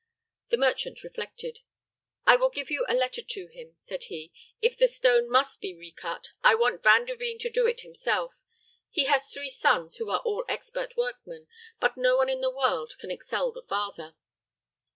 The merchant reflected. "I will give you a letter to him," said he. "If the stone must be recut, I want Van der Veen to do it himself. He has three sons who are all expert workmen, but no one in the world can excel the father."